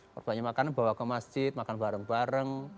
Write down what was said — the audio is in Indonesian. perbanyak makanan bawa ke masjid makan bareng bareng